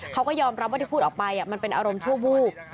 เขาก็ยอมรับว่าที่พูดออกไปมันเป็นอารมณ์ชั่ววูบ